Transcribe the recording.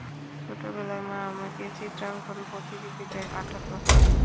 ছোটবেলায় মা আমাকে চিত্রাঙ্কন প্রতিযোগিতায় পাঠাতো।